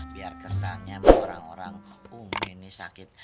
biar kesannya sama orang orang umi ini sakit